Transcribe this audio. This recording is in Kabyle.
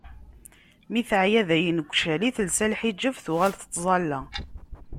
Mi teɛya dayen deg ucali, telsa lḥiǧab, tuɣal tettẓalla.